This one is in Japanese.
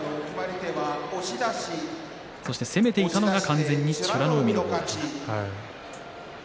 そして攻めていたのが完全に美ノ海でした。